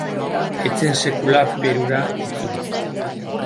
Ez zen sekula Perura itzuli.